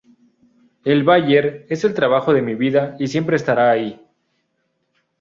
El Bayern es el trabajo de mi vida y siempre estará ahí.